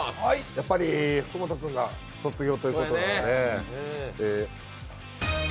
やっぱり福本君が卒業ということで。